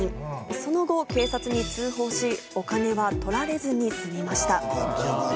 その後警察に通報しお金は取られずに済みました。